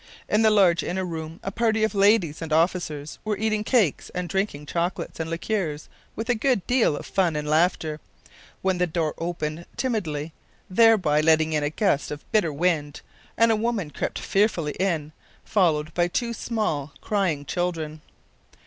In the large inner room a party of ladies and officers were eating cakes and drinking chocolates and liquors with a good deal of fun and laughter, when the door opened timidly, thereby letting in a gust of bitter wind, and a woman crept fearfully in, followed by two small, crying children.